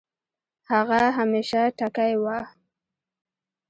هغه همېشه ټکے وۀ